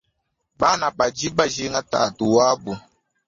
Bana badi bajinga tatu wabu.